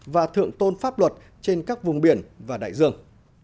và thượng tôn pháp luật trên các vùng biển và đại dương